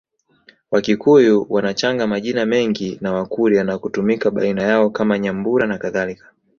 Wakikuyu wanachanga majina mengi na Wakurya na kutumika baina yao kama Nyambura nakadhalika